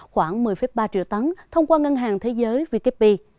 khoảng một mươi ba triệu tấn thông qua ngân hàng thế giới vkp